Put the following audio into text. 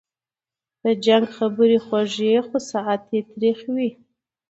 د جنګ خبري خوږې خو ساعت یې تریخ وي